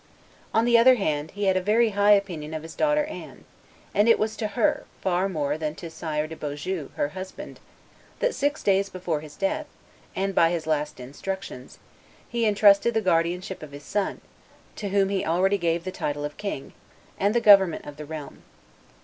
On the other hand, he had a very high opinion of his daughter Anne, and it was to her far more than to Sire de Beaujeu, her husband, that, six days before his death, and by his last instructions, he intrusted the guardian ship of his son, to whom he already gave the title of King, and the government of the realm.